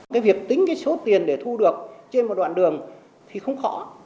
cái việc tính cái số tiền để thu được trên một đoạn đường thì không khó